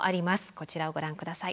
こちらをご覧下さい。